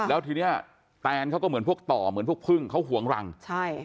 แล้วทีเนี้ยแตนเขาก็เหมือนพวกต่อเหมือนพวกพึ่งเขาห่วงรังใช่